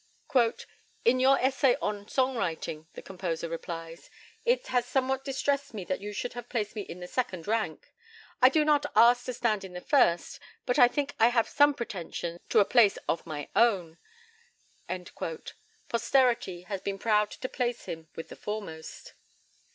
"In your essay on song writing," the composer replies, "it has somewhat distressed me that you should have placed me in the second rank. I do not ask to stand in the first, but I think I have some pretensions to a place of my own." Posterity has been proud to place him with the foremost.